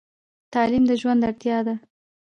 تعلیم د ژوند اړتیا ده.